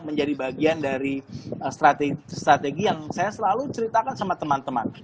menjadi bagian dari strategi yang saya selalu ceritakan sama teman teman